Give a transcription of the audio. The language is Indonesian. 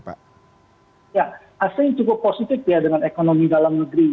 ya asing cukup positif ya dengan ekonomi dalam negeri